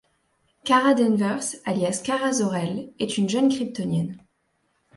Kara Danvers alias Kara Zor-el est une jeune kryptonniene.